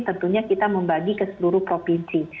tentunya kita membagi ke seluruh provinsi